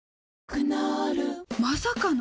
クノールまさかの！？